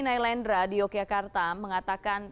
nailendra di yogyakarta mengatakan